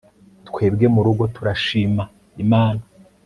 twebwe murugo turashima imana